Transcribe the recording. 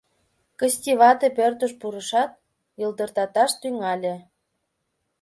Кысти вате пӧртыш пурышат, йылдыртаташ тӱҥале.